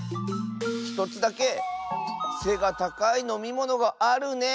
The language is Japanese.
１つだけせがたかいのみものがあるね。